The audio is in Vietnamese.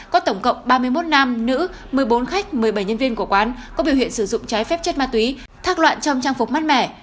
có tổng cộng ba mươi một nam nữ một mươi bốn khách một mươi bảy nhân viên của quán có biểu hiện sử dụng trái phép chất ma túy thác loạn trong trang phục mắt mẻ